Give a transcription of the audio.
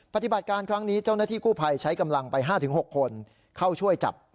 ปฏิบัติการครั้งนี้เจ้าหน้าที่กู้ภัยใช้กำลังไป๕๖คนเข้าช่วยจับ